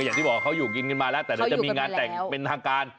อย่างที่บอกเขาอยู่กินกันมาแล้วแต่เดี๋ยวจะมีงานแต่งเป็นทางการ